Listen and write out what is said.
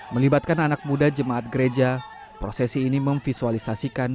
melibatkan anak muda jemaat gereja prosesi ini memvisualisasikan